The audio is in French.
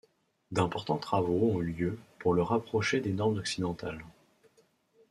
D'importants travaux ont eu lieu pour le rapprocher des normes occidentales.